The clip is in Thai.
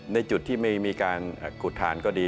ในจุดที่มีการกรุดฐานก็ดี